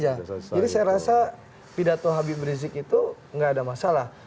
jika tidak cuma api berisik itu tidak ada masalah